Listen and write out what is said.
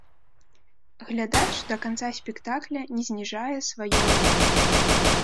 Глядач да канца спектакля не зніжае свае ўвагі.